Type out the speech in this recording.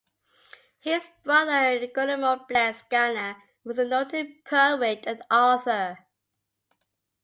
His brother Guillermo Blest Gana was a noted poet and author.